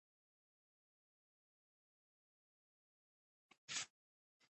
که مراد کور درلودلی وای، خوشاله به و.